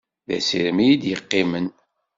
D asirem i yi-d yeqqimen.